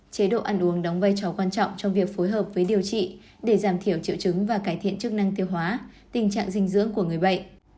chế độ ăn uống đóng vai trò quan trọng trong việc phối hợp với điều trị để giảm thiểu triệu chứng và cải thiện chức năng tiêu hóa tình trạng dinh dưỡng của người bệnh